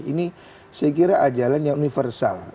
ini saya kira ajalan yang universal